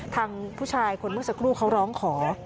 ทางผู้ชายคนเมื่อสักครู่เขาร้องขอ